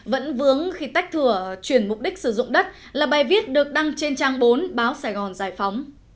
vẫn vướng khi tách thửa chuyển mục đích sử dụng đất là bài viết được đăng trên trang bốn báo sài gòn giải phóng